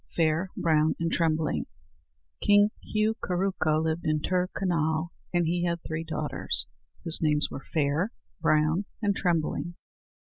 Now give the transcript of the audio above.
Fair, Brown, and Trembling King Hugh Cúrucha lived in Tir Conal, and he had three daughters, whose names were Fair, Brown, and Trembling.